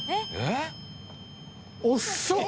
遅っ！